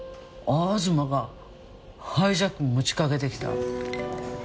東がハイジャックを持ちかけてきた。